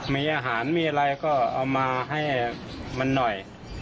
มีอาหารมีอะไรก็เอามาให้มันหน่อย